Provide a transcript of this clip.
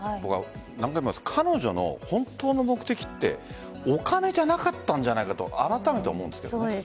何回も言いますが彼女の本当の目的ってお金じゃなかったんじゃないかとあらためて思うんですけど。